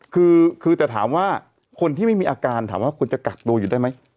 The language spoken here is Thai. คือแต่ถามว่าคนที่ไม่มีอาการถามว่าคุณจะกักตัวอยู่ได้ไหม